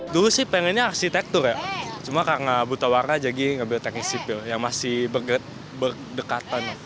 dulu sih pengennya arsitektur ya cuma karena buta warna jadi ngebel teknik sipil yang masih berdekatan